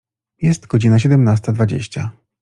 Jest godzina siedemnasta dwadzieścia.